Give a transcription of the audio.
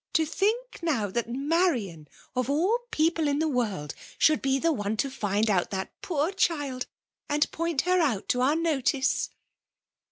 " To think> now, that Marian, of all people in the world, should be the one to find out that poor child, and to point her out to oiur notice